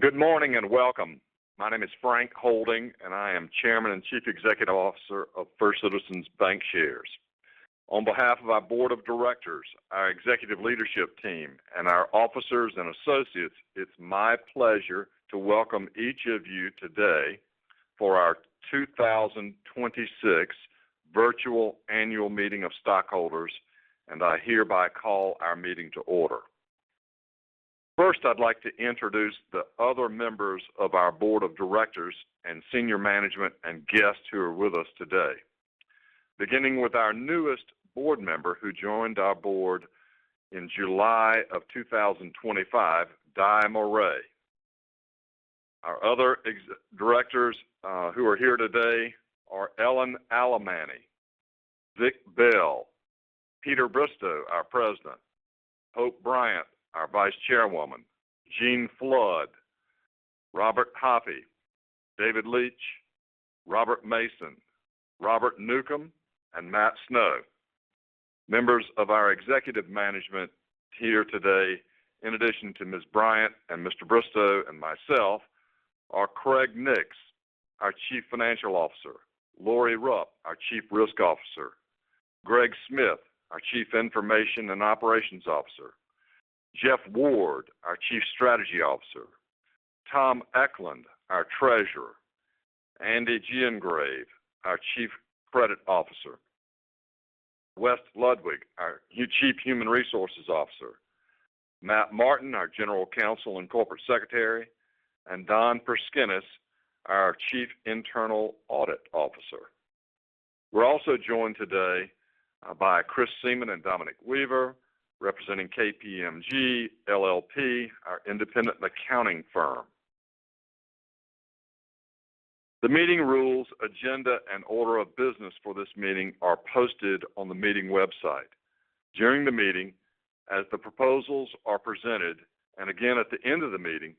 Good morning and welcome. My name is Frank B. Holding, Jr., and I am Chairman and Chief Executive Officer of First Citizens BancShares. On behalf of our board of directors, our executive leadership team, and our officers and associates, it's my pleasure to welcome each of you today for our 2026 virtual annual meeting of stockholders, and I hereby call our meeting to order. First, I'd like to introduce the other members of our board of directors and senior management and guests who are with us today. Beginning with our newest board member who joined our board in July of 2025, Diane E. Morais. Our other (uncertain who are here today are Ellen R. Alemany, Victor E. Bell III, Peter M. Bristow, our President, Hope Holding Bryant, our Vice Chairwoman, Eugene Flood, Jr., Robert R. Hoppe, David G. Leitch, Robert E. Mason IV, Robert T. Newcomb, and Matt Snow. Members of our executive management here today, in addition to Ms. Bryant and Mr. Bristow and myself, are Craig Nix, our Chief Financial Officer, Lorie Rupp, our Chief Risk Officer, Greg Smith, our Chief Information and Operations Officer, Jeff Ward, our Chief Strategy Officer, Tom Eklund, our Treasurer, Andy Gingrave, our Chief Credit Officer, Wes Ludwig, our new Chief Human Resources Officer, Matt Martin, our General Counsel and Corporate Secretary, and Don Perskinis, our Chief Internal Audit Officer. We're also joined today by Chris Seaman and Dominic Weaver, representing KPMG LLP, our independent accounting firm. The meeting rules, agenda, and order of business for this meeting are posted on the meeting website. During the meeting, as the proposals are presented, and again at the end of the meeting,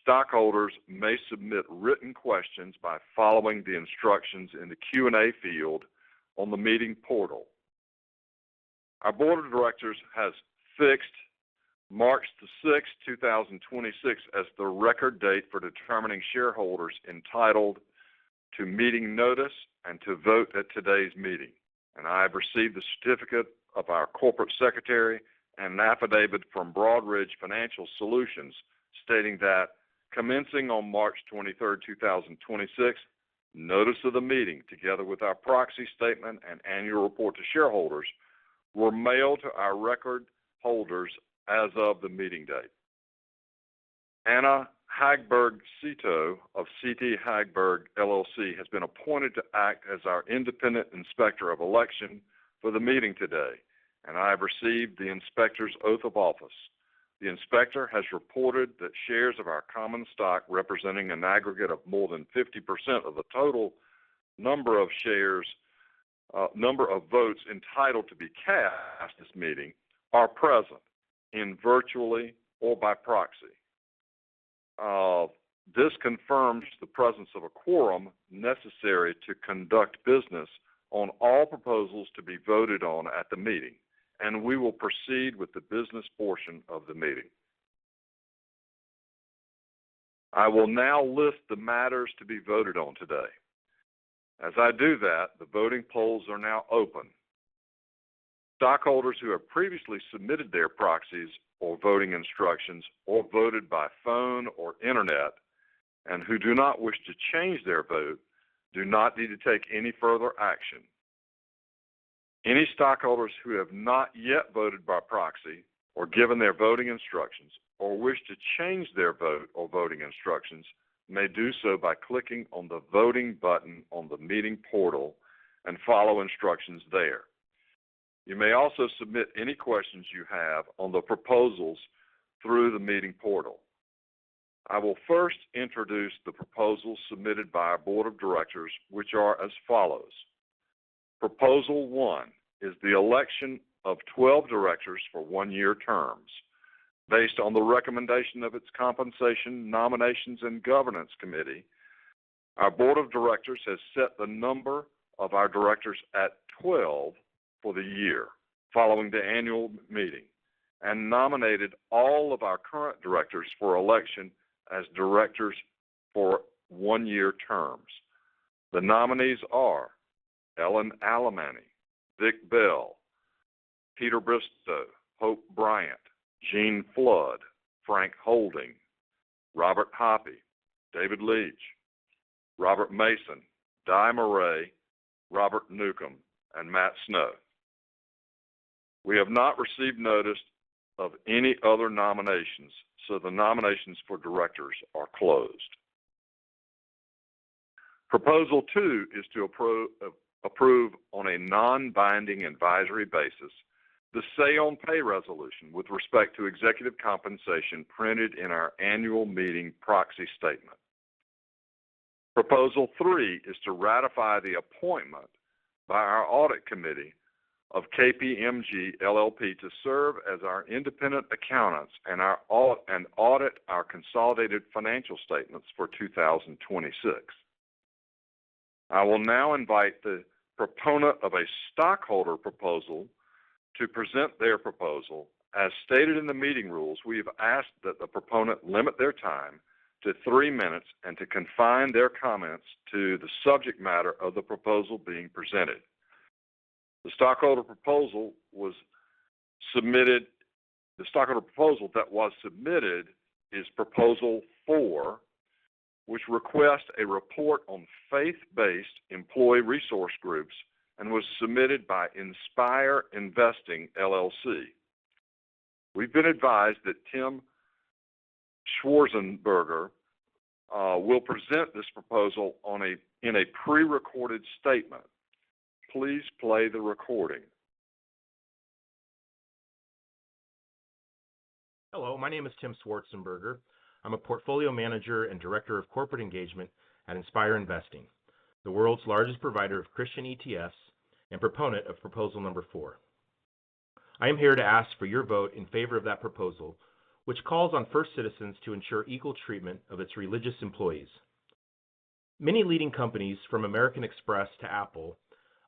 stockholders may submit written questions by following the instructions in the Q&A field on the meeting portal. Our board of directors has fixed March 6th, 2026, as the record date for determining shareholders entitled to meeting notice and to vote at today's meeting. I have received a certificate of our corporate secretary and an affidavit from Broadridge Financial Solutions stating that commencing on March 23rd, 2026, notice of the meeting, together with our proxy statement and annual report to shareholders, were mailed to our record holders as of the meeting date. Anna Hagberg of C.T. Hagberg LLC has been appointed to act as our independent inspector of election for the meeting today. I have received the inspector's oath of office. The inspector has reported that shares of our common stock representing an aggregate of more than 50% of the total number of shares, number of votes entitled to be cast at this meeting are present in virtually or by proxy. This confirms the presence of a quorum necessary to conduct business on all proposals to be voted on at the meeting, and we will proceed with the business portion of the meeting. I will now list the matters to be voted on today. As I do that, the voting polls are now open. Stockholders who have previously submitted their proxies or voting instructions or voted by phone or internet and who do not wish to change their vote do not need to take any further action. Any stockholders who have not yet voted by proxy or given their voting instructions or wish to change their vote or voting instructions may do so by clicking on the voting button on the meeting portal and follow instructions there. You may also submit any questions you have on the proposals through the meeting portal. I will first introduce the proposals submitted by our board of directors, which are as follows. Proposal 1 is the election of 12 directors for one-year terms. Based on the recommendation of its Compensation, Nominations, and Governance Committee, our board of directors has set the number of our directors at 12 for the year following the annual meeting and nominated all of our current directors for election as directors for one-year terms. The nominees are Ellen R. Alemany, Victor E. Bell III, Peter M. Bristow, Hope Holding Bryant, Eugene Flood, Jr., Frank B. Holding, Jr., Robert R. Hoppe, David G. Leitch, Robert E. Mason IV, Diane E. Morais, Robert T. Newcomb, and Matt Snow. The nominations for directors are closed. Proposal 2 is to approve on a non-binding advisory basis the say-on-pay resolution with respect to executive compensation printed in our annual meeting proxy statement. Proposal 3 is to ratify the appointment by our audit committee of KPMG LLP to serve as our independent accountants and audit our consolidated financial statements for 2026. I will now invite the proponent of a stockholder proposal to present their proposal. As stated in the meeting rules, we have asked that the proponent limit their time to three minutes and to confine their comments to the subject matter of the proposal being presented. The stockholder proposal that was submitted is Proposal 4, which requests a report on faith-based employee resource groups and was submitted by Inspire Investing LLC. We've been advised that Tim Schwarzenberger will present this proposal in a pre-recorded statement. Please play the recording. Hello, my name is Tim Schwarzenberger. I'm a portfolio manager and director of corporate engagement at Inspire Investing, the world's largest provider of Christian ETFs and proponent of Proposal 4. I am here to ask for your vote in favor of that proposal, which calls on First Citizens to ensure equal treatment of its religious employees. Many leading companies from American Express to Apple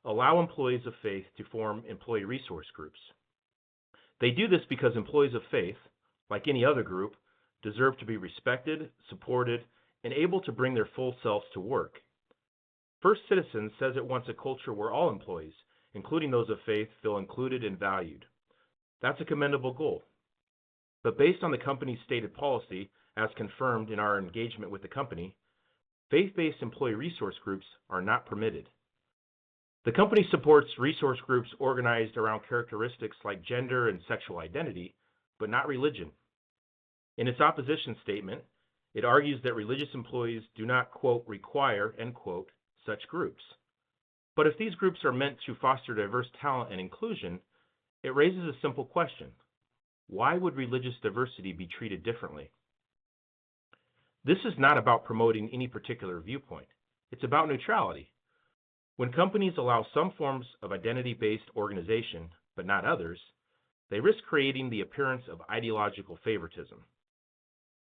allow employees of faith to form employee resource groups. They do this because employees of faith, like any other group, deserve to be respected, supported, and able to bring their full selves to work. First Citizens says it wants a culture where all employees, including those of faith, feel included and valued. That's a commendable goal. Based on the company's stated policy, as confirmed in our engagement with the company, faith-based employee resource groups are not permitted. The company supports resource groups organized around characteristics like gender and sexual identity, but not religion. In its opposition statement, it argues that religious employees do not "require" such groups. If these groups are meant to foster diverse talent and inclusion, it raises a simple question: Why would religious diversity be treated differently? This is not about promoting any particular viewpoint. It's about neutrality. When companies allow some forms of identity-based organization but not others, they risk creating the appearance of ideological favoritism.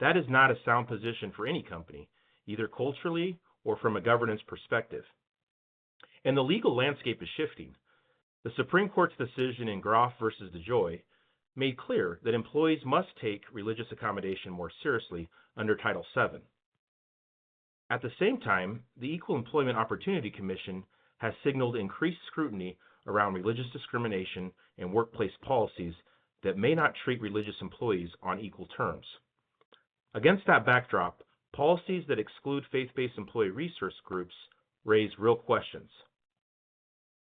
That is not a sound position for any company, either culturally or from a governance perspective. The legal landscape is shifting. The Supreme Court's decision in Groff v. DeJoy made clear that employees must take religious accommodation more seriously under Title VII. At the same time, the Equal Employment Opportunity Commission has signaled increased scrutiny around religious discrimination and workplace policies that may not treat religious employees on equal terms. Against that backdrop, policies that exclude faith-based employee resource groups raise real questions.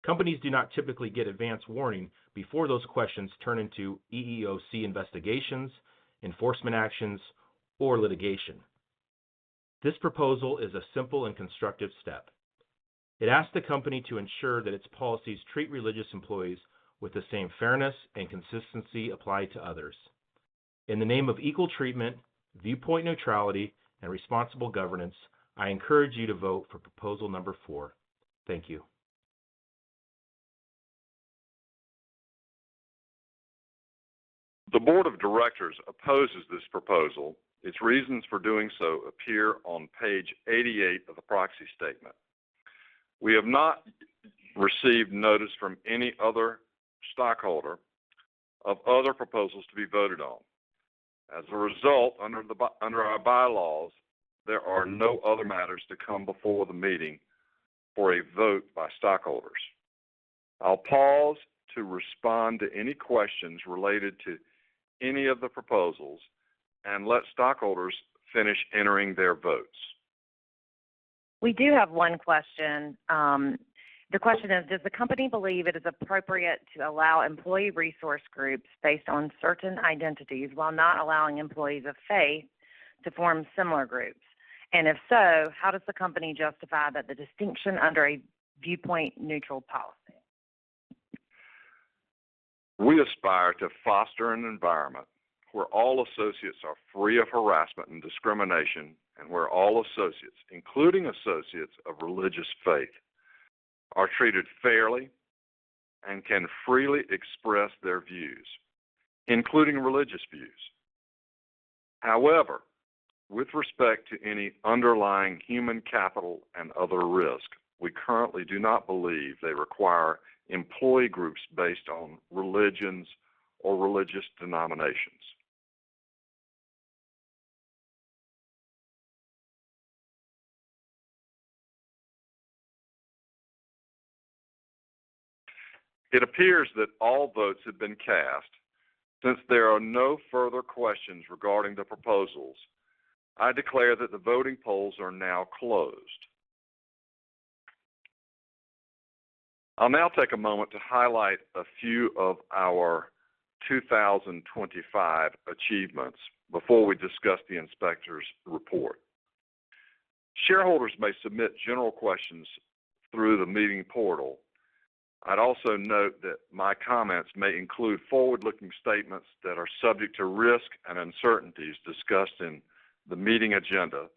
Companies do not typically get advance warning before those questions turn into EEOC investigations, enforcement actions, or litigation. This proposal is a simple and constructive step. It asks the company to ensure that its policies treat religious employees with the same fairness and consistency applied to others. In the name of equal treatment, viewpoint neutrality, and responsible governance, I encourage you to vote for Proposal 4. Thank you. The board of directors opposes this proposal. Its reasons for doing so appear on page 88 of the proxy statement. We have not received notice from any other stockholder of other proposals to be voted on. Under our bylaws, there are no other matters to come before the meeting for a vote by stockholders. I'll pause to respond to any questions related to any of the proposals and let stockholders finish entering their votes. We do have one question. The question is: Does the company believe it is appropriate to allow employee resource groups based on certain identities while not allowing employees of faith to form similar groups? If so, how does the company justify that the distinction under a viewpoint neutral policy? We aspire to foster an environment where all associates are free of harassment and discrimination and where all associates, including associates of religious faith, are treated fairly and can freely express their views, including religious views. However, with respect to any underlying human capital and other risk, we currently do not believe they require employee groups based on religions or religious denominations. It appears that all votes have been cast. There are no further questions regarding the proposals, I declare that the voting polls are now closed. I'll now take a moment to highlight a few of our 2025 achievements before we discuss the inspector's report. Shareholders may submit general questions through the meeting portal. I'd also note that my comments may include forward-looking statements that are subject to risk and uncertainties discussed in the meeting agenda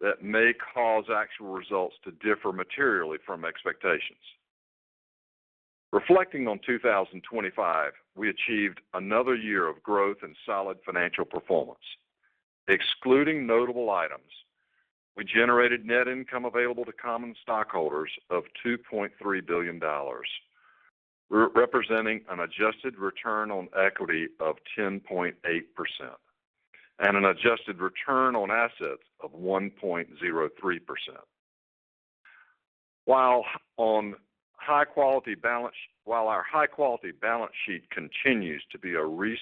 that may cause actual results to differ materially from expectations. Reflecting on 2025, we achieved another year of growth and solid financial performance. Excluding notable items, we generated net income available to common stockholders of $2.3 billion, representing an adjusted return on equity of 10.8% and an adjusted return on assets of 1.03%. While our high quality balance sheet continues to be a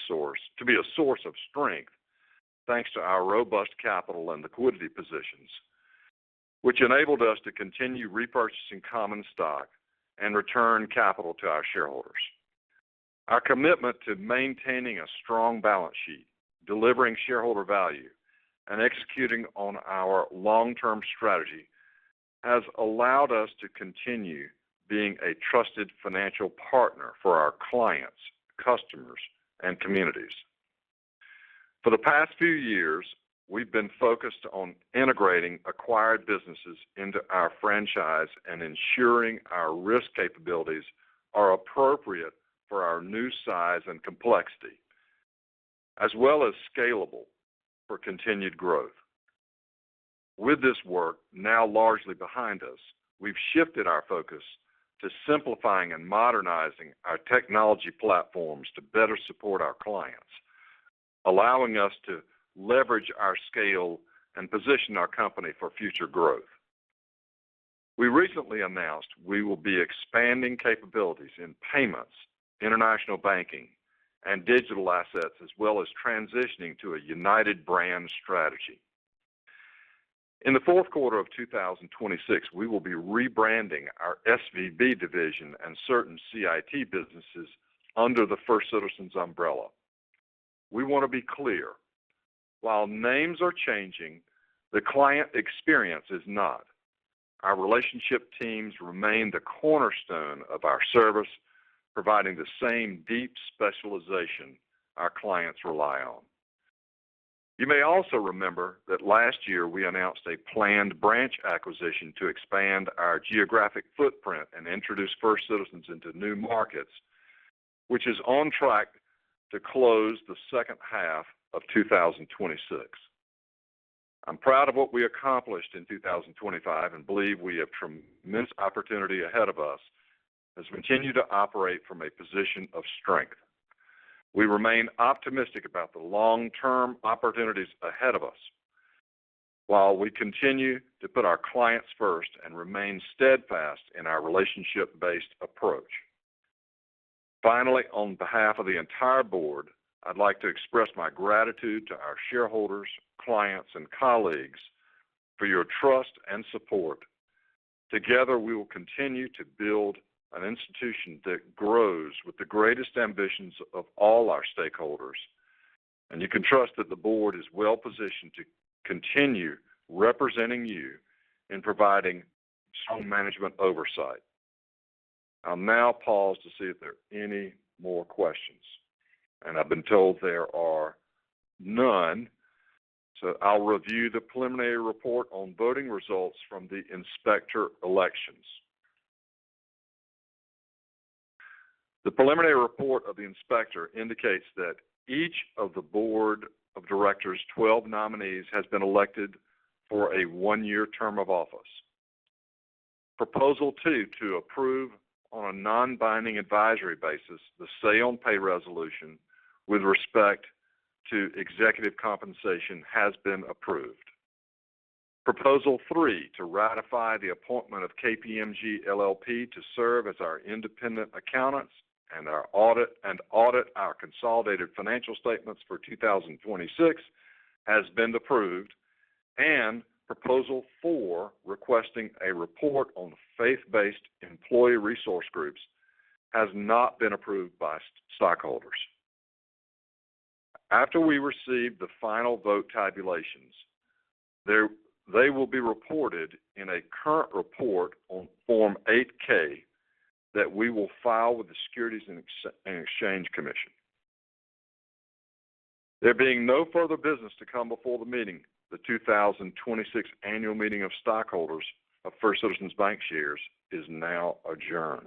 source of strength, thanks to our robust capital and liquidity positions, which enabled us to continue repurchasing common stock and return capital to our shareholders. Our commitment to maintaining a strong balance sheet, delivering shareholder value, and executing on our long-term strategy has allowed us to continue being a trusted financial partner for our clients, customers, and communities. For the past few years, we've been focused on integrating acquired businesses into our franchise and ensuring our risk capabilities are appropriate for our new size and complexity, as well as scalable for continued growth. With this work now largely behind us, we've shifted our focus to simplifying and modernizing our technology platforms to better support our clients, allowing us to leverage our scale and position our company for future growth. We recently announced we will be expanding capabilities in payments, international banking, and digital assets, as well as transitioning to a united brand strategy. In the fourth quarter of 2026, we will be rebranding our SVB division and certain CIT businesses under the First Citizens umbrella. We want to be clear, while names are changing, the client experience is not. Our relationship teams remain the cornerstone of our service, providing the same deep specialization our clients rely on. You may also remember that last year we announced a planned branch acquisition to expand our geographic footprint and introduce First Citizens into new markets, which is on track to close the second half of 2026. I'm proud of what we accomplished in 2025 and believe we have tremendous opportunity ahead of us as we continue to operate from a position of strength. We remain optimistic about the long-term opportunities ahead of us, while we continue to put our clients first and remain steadfast in our relationship-based approach. Finally, on behalf of the entire board, I'd like to express my gratitude to our shareholders, clients, and colleagues for your trust and support. Together, we will continue to build an institution that grows with the greatest ambitions of all our stakeholders. You can trust that the board is well-positioned to continue representing you in providing strong management oversight. I'll now pause to see if there are any more questions. I've been told there are none. I'll review the preliminary report on voting results from the inspector of election. The preliminary report of the inspector indicates that each of the board of directors' 12 nominees has been elected for a one-year term of office. Proposal 2 to approve on a non-binding advisory basis the say-on-pay resolution with respect to executive compensation has been approved. Proposal 3 to ratify the appointment of KPMG LLP to serve as our independent accountants and audit our consolidated financial statements for 2026 has been approved. Proposal 4, requesting a report on the faith-based employee resource groups, has not been approved by stockholders. After we receive the final vote tabulations, they will be reported in a current report on Form 8-K that we will file with the Securities and Exchange Commission. There being no further business to come before the meeting, the 2026 annual meeting of stockholders of First Citizens BancShares is now adjourned.